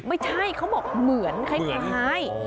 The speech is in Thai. ไม่ใช่เขาบอกเหมือนคล้าย